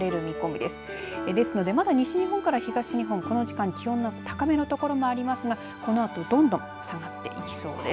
ですのでまだ西日本から東日本この時間気温が高めの所もありますがこのあと、どんどん下がっていきそうです。